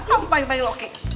kenapa aku panggil panggil oki